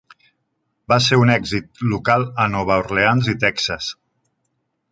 Va ser un èxit local a Nova Orleans i Texas.